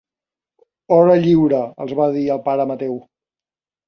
Hora lliure —els va dir el pare Mateu—.